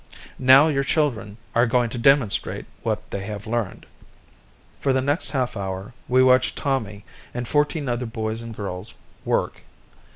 Now your children are going to demonstrate what they have learned." For the next half hour we watched Tommy and fourteen other boys and girls work.